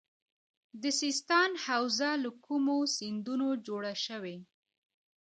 د سیستان حوزه له کومو سیندونو جوړه شوې؟